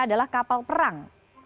adalah kapal perang